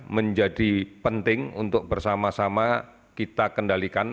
menjadi penting untuk bersama sama kita kendalikan